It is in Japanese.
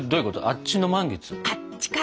あっちの満月？